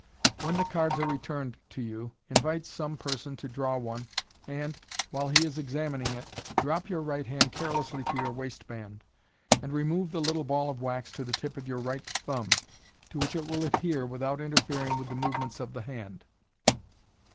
When the cards •re returned to you, invite some person to draw one, and, while h* is examining it, drop your right hand carelessly to your waistband, and 1 1 8 MODERN MA GIC. remove the little ball of wax to the tip of your right thumb, to which it will adhere without interfering with the movements of the hand.